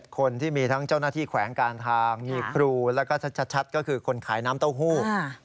คนที่มีทั้งเจ้าหน้าที่แขวงการทางมีครูแล้วก็ชัดก็คือคนขายน้ำเต้าหู้